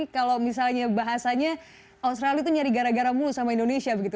kalau misalnya bahasanya australia itu nyari gara gara mulu sama indonesia begitu